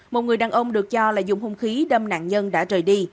một người đàn ông được cho là dùng hung khí đâm nạn nhân đã trời đi